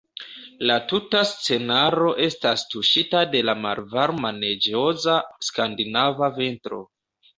La tuta scenaro estas tuŝita de la malvarma neĝoza skandinava vintro.